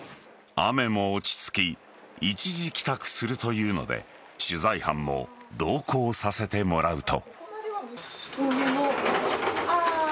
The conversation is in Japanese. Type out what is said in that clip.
雨も落ち着き一時帰宅するというので取材班も同行させてもらうと。